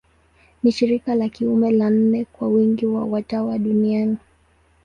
Ni shirika la kiume la nne kwa wingi wa watawa duniani.